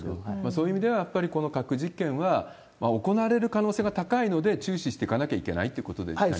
そういう意味では、やっぱりこの核実験は行われる可能性が高いので、注視してかなきゃいけないってことですよね。